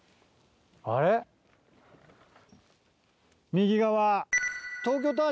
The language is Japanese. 右側。